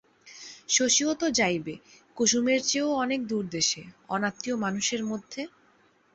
শশীও তো যাইবে, কুসুমের চেয়েও অনেক দূরদেশে, অনাত্মীয় মানুষের মধ্যে।